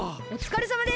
おつかれさまです！